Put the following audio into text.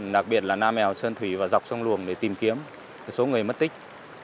đặc biệt là nam mèo sơn thủy và dọc sông luồng để tìm kiếm số người mất tích